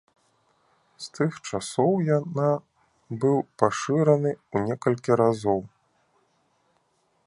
З тых часоў яна быў пашыраны ў некалькі разоў.